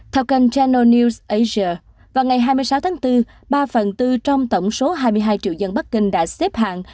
theo kênh chano news asia vào ngày hai mươi sáu tháng bốn ba phần tư trong tổng số hai mươi hai triệu dân bắc kinh đã xếp hạng